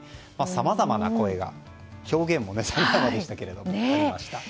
さまざまな声が表現もさまざまでしたけれどもありました。